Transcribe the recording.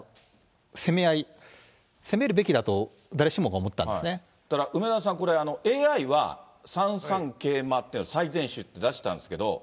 攻め合い、攻めるべきだから、梅沢さん、これはＡＩは３三桂馬っていうのを最善手って出したんですけど。